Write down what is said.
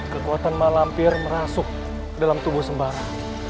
kekuatan malampir merasuk dalam tubuh sembarang